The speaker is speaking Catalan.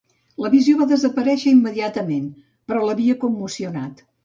La visió va desaparèixer immediatament, però l'havia commocionat.